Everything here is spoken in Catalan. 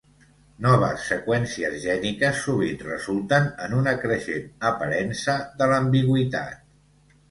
Noves seqüències gèniques sovint resulten en una creixent aparença de l'ambigüitat.